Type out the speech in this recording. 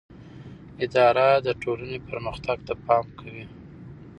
اداره د ټولنې پرمختګ ته پام کوي.